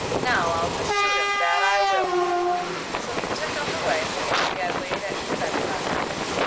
'Now I'll just shoot him, that I will!' So he took up a rifle which he had laid at his bedside.